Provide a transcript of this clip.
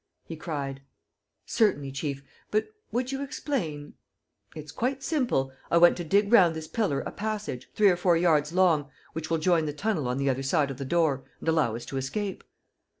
he cried. "Certainly, chief, but would you explain ...?" "It's quite simple. I want to dig round this pillar a passage, three or four yards long, which will join the tunnel on the other side of the door and allow us to escape."